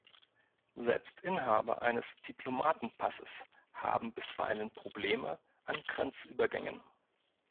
Selbst Inhaber eines Diplomatenpasses haben bisweilen Probleme an Grenzübergängen.